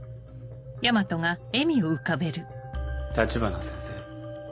立花先生。